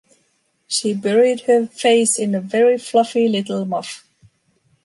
She buried her face in a very fluffy little muff.